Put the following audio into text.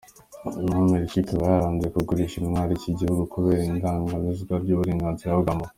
Naho Amerika ikaba yaranze kugurisha intwaro iki gihugu kubera ikandamizwa ry’uburenganzira bwa muntu.